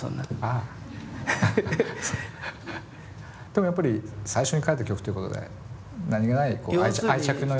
でもやっぱり最初に書いた曲ということで何気ない愛着のようなものは？